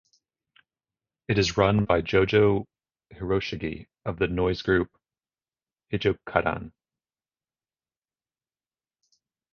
It is run by Jojo Hiroshige of the noise group Hijokaidan.